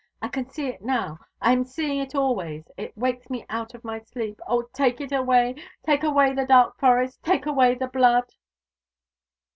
I can see it now. I am seeing it always. It wakes me out of my sleep. O, take it away; take away the dark forest; take away the blood!"